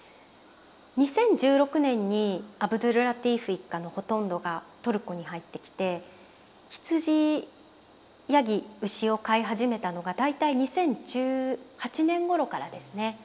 ２０１６年にアブドュルラティーフ一家のほとんどがトルコに入ってきて羊山羊牛を飼い始めたのが大体２０１８年ごろからですね。